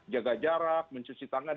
jaga jarak mencuci tangan